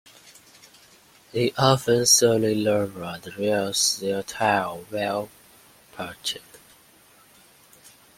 They often slowly lower and raise their tails while perched.